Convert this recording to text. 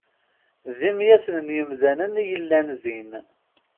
D imyaten n yemdanen i yellan din.